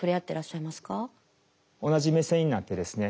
同じ目線になってですね